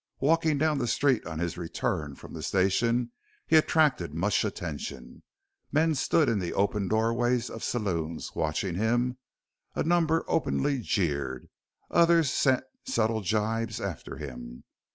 Walking down the street on his return from the station he attracted much attention. Men stood in the open doorways of saloons watching him, a number openly jeered; others sent subtle jibes after him.